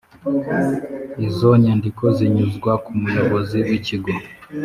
Izo nyandiko zinyuzwa ku muyobozi w ikigo